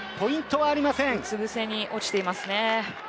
うつぶせに落ちています。